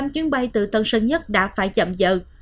hai mươi năm chuyến bay từ tân sơn nhất đã phải chậm giờ